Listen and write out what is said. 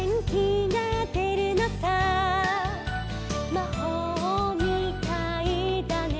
「まほうみたいだね